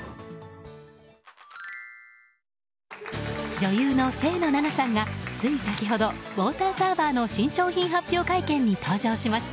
女優の清野菜名さんがつい先ほどウォーターサーバーの新商品発表会見に登場しました。